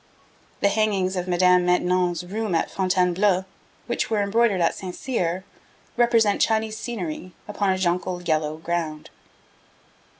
The hangings of Madame de Maintenon's room at Fontainebleau, which were embroidered at St. Cyr, represent Chinese scenery upon a jonquil yellow ground.